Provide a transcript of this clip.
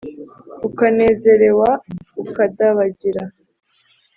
ukanezerewa ukadabagira.